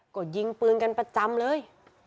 ก็ยิงปืนกันประจำเลย